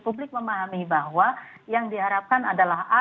publik memahami bahwa yang diharapkan adalah a